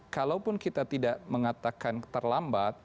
kalaupun kita tidak mengatakan terlambat